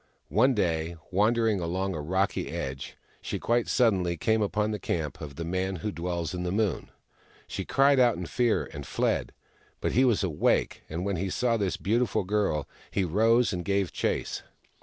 One day, wandering along a rocky edge, she quite suddenly came upon the camp of the Man Who Dwells In The Moon. She cried out in fear, and fled. But he was awake, and when he saw this beautiful girl, he rose and gave chase.